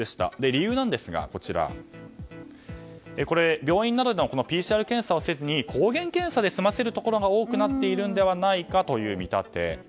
理由ですが、病院などでＰＣＲ検査をせずに抗原検査で済ませるところが多くなっているのではないかという見立てです。